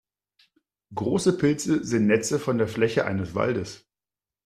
Große Pilze sind Netze von der Fläche eines Waldes.